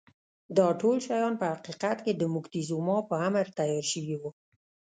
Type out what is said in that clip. دا ټول شیان په حقیقت کې د موکتیزوما په امر تیار شوي وو.